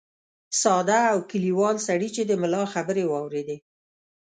ساده او کلیوال سړي چې د ملا خبرې واورېدې.